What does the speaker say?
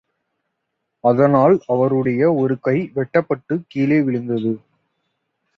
அத்னால், அவருடைய ஒரு கை வெட்டப்பட்டுக் கீழே விழுந்தது.